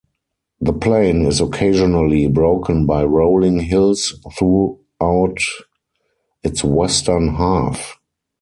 The plain is occasionally broken by rolling hills throughout its western half.